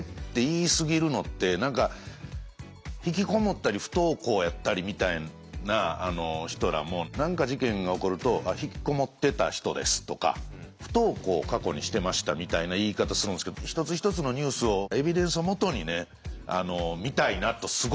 引きこもったり不登校やったりみたいな人らも何か事件が起こると「引きこもってた人です」とか「不登校過去にしてました」みたいな言い方するんですけど一つ一つのニュースをエビデンスをもとに見たいなとすごく思いました。